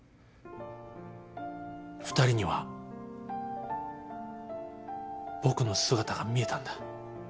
２人には僕の姿が見えたんだ。